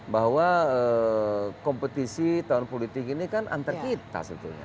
bahwa kompetisi tahun politik ini kan antar kita sebetulnya